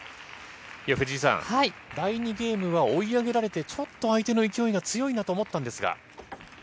藤井さん、第２ゲームは追い上げられて、ちょっと相手の勢いが強いなと思ったんですが。